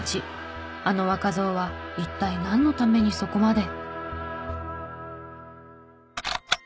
「あの若造は一体なんのためにそこまで」。